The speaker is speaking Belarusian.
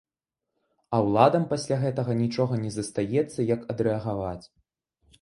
А ўладам пасля гэтага нічога не застаецца, як адрэагаваць.